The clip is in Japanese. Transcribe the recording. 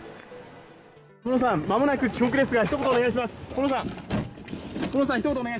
小室さん、まもなく帰国ですが、ひと言お願いします。